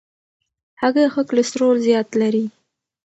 هګۍ ښه کلسترول زیات لري.